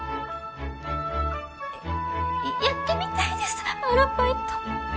やってみたいですアルバイト。